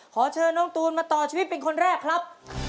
ขอเชิญน้องตูนมาต่อชีวิตเป็นคนแรกครับ